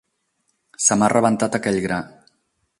Se m'ha rebentat aquell gra.